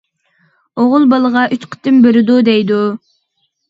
! ئوغۇل بالىغا ئۈچ قېتىم بېرىدۇ دەيدۇ!